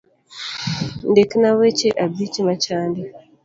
Ndikna weche abich machandi